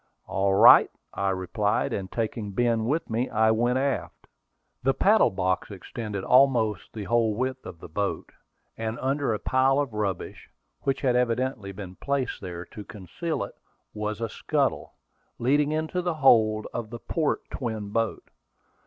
"All right," I replied, and taking Ben with me, I went aft. The paddle box extended almost the whole width of the boat; and under a pile of rubbish, which had evidently been placed there to conceal it, was a scuttle, leading into the hold of the port twin boat.